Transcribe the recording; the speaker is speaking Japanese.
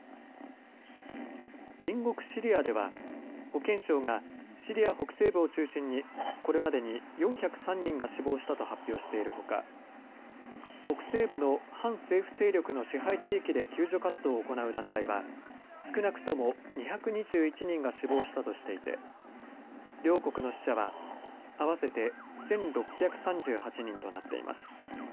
隣国シリアでは保健省がシリア北西部を中心にこれまでに４０３人が死亡したと発表しているほか北西部の反政府勢力の支配地域で救助活動を行う団体は少なくとも２２１人が死亡したとしていて両国の死者は合わせて１６３８人となっています。